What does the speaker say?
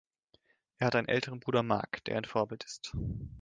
Er hat einen älteren Bruder, Mark, der ein Vorbild ist.